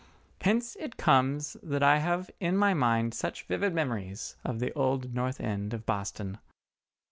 Hence it comes that I have in my mind such vivid memories of the old North End of Boston.